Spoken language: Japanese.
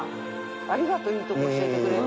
ありがとういいとこ教えてくれて。